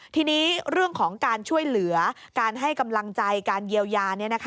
ทีนี้เรื่องของการช่วยเหลือการให้กำลังใจการเยียวยา